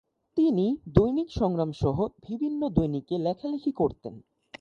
তিনি দৈনিক সংগ্রাম সহ বিভিন্ন দৈনিকে লেখালেখি করতেন।